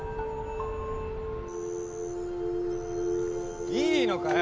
いいのかよ？